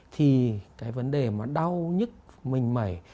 thì cái vấn đề mà đau nhất mình mẩy